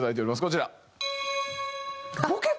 こちら。